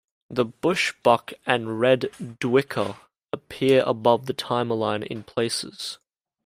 The bushbuck and red duiker appear above the timerline in places.